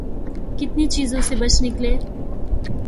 کتنی چیزوں سے بچ نکلے۔